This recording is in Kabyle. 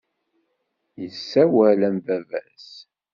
Yessawal am baba-s.